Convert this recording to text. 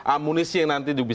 amunisi yang nanti juga bisa